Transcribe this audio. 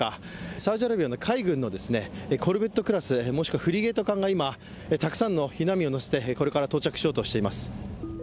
サウジアラビアの海軍のコルベットクラス、もしくはフリゲート艦が今、たくさんの避難民を乗せてこれから到着しようとしています。